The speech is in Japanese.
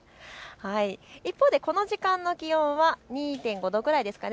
一方でこの時間の気温は２．５度ぐらいですかね。